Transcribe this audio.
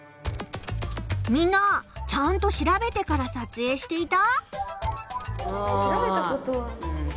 みんなちゃんと調べてから撮影していた？